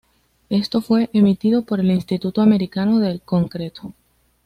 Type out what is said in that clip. Esto fue emitido por el Instituto Americano del Concreto.